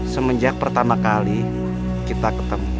semenjak pertama kali kita ketemu